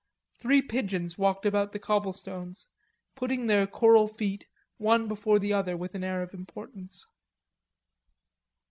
Three pigeons walked about the cobblestones, putting their coral feet one before the other with an air of importance.